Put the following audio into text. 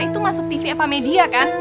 itu masuk tv apa media kan